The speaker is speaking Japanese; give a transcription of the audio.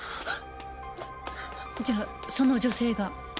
じゃあその女性が。